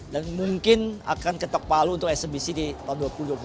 dan mungkin akan ketok palu untuk eksebisi di tahun dua ribu dua puluh